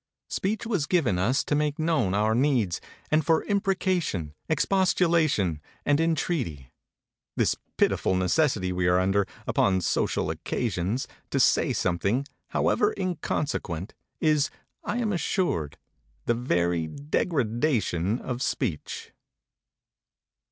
Speech was given us to make known our needs, and for imprecation, expostulation, and entreaty. This pitiful necessity we are under, upon social occasions, to say something however inconsequent is, I am assured, the very degradation of speech.